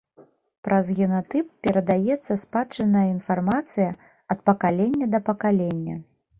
Праз генатып перадаецца спадчынная інфармацыя ад пакалення да пакалення.